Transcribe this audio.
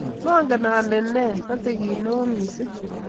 Mangen ale ne, pate kit neo mising